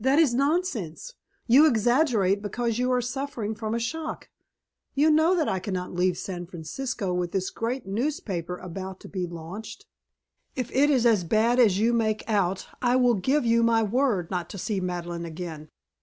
"That is nonsense. You exaggerate because you are suffering from a shock. You know that I cannot leave San Francisco with this great newspaper about to be launched. If it is as bad as you make out I will give you my word not to see Madeleine again.